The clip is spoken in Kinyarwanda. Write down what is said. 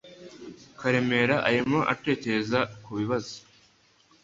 Karemera arimo atekereza kubibazo